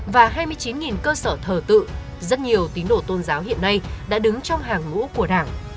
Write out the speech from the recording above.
và hai mươi chín cơ sở thờ tự rất nhiều tín đồ tôn giáo hiện nay đã đứng trong hàng ngũ của đảng